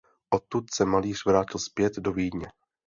Odtud se malíř vrátil zpět do Vídně.